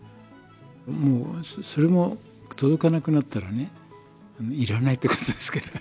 もうそれも届かなくなったらねいらないってことですから。